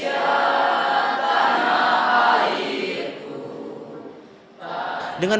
kebangkitan nasional itu sendiri